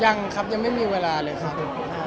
ยังครับยังไม่มีเวลาเลยครับ